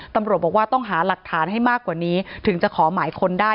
ตำรวจบอกว่าต้องหาหลักฐานให้มากกว่านี้ถึงจะขอหมายค้นได้